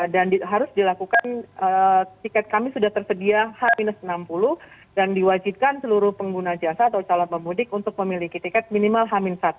dan harus dilakukan tiket kami sudah tersedia h enam puluh dan diwajibkan seluruh pengguna jasa atau calon pemudik untuk memiliki tiket minimal h satu